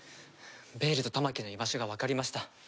ベイルと玉置の居場所がわかりました。